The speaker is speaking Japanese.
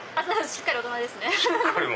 しっかり大人ですね。